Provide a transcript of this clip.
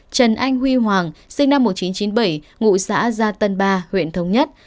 trần anh huy hoàng sinh năm một nghìn chín trăm chín mươi bảy ngụ xã gia tân ba huyện thống nhất